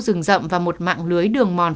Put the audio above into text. rừng rậm và một mạng lưới đường mòn